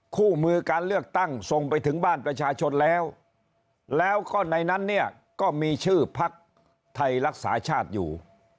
คู่มือการเลือกตั้งส่งไปถึงบ้านประชาชนแล้วแล้วก็ในนั้นเนี่ยก็มีชื่อพักไทยรักษาชาติอยู่